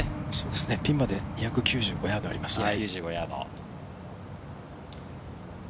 ピンまで２９５ヤードありますね。